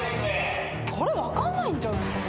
これ分かんないんじゃないっすか？